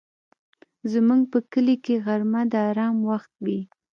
زموږ په کلي کې غرمه د آرام وخت وي